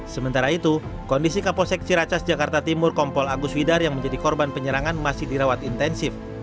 sementara itu kondisi kapolsek ciracas jakarta timur kompol agus widar yang menjadi korban penyerangan masih dirawat intensif